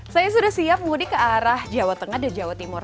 saya sudah siap mudik ke arah jawa tengah dan jawa timur